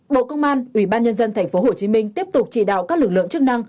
một bộ công an ủy ban nhân dân thành phố hồ chí minh tiếp tục chỉ đạo các lực lượng chức năng